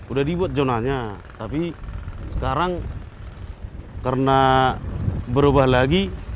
udah dibuat zonanya tapi sekarang karena berubah lagi